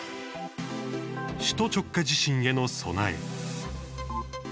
首都直下地震への備え。